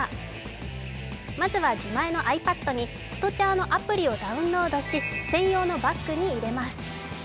まずは時前のｉＰａｄにＳｔｃｈａｒ！のアプリをダウンロードし専用のバッグに入れます。